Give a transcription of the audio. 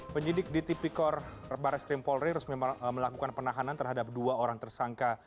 penyidik dt pikor barreskrim polri resmi melakukan penahanan terhadap dua orang tersangka